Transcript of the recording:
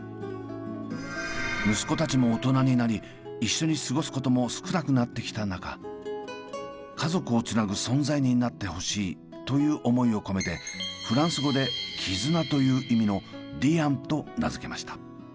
息子たちも大人になり一緒に過ごすことも少なくなってきた中家族をつなぐ存在になってほしいという思いを込めてフランス語で「絆」という意味のリアンと名付けました。